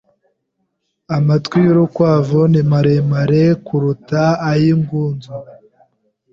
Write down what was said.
Amatwi y'urukwavu ni maremare kuruta ay'ingunzu.